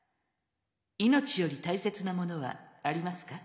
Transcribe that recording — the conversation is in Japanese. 命より大切なものはありますか？